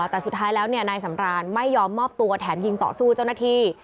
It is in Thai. แต่สุดท้ายแล้วนายสำรานไม่ยอมมอบตัวแถมยิงต่อสู้เจ้าหน้าที่